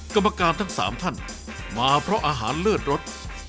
กรรมการทั้ง๓ท่านมาเพราะอาหารเลิศรส